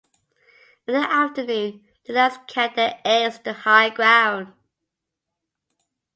In the afternoon, the lads carry their eggs to high ground.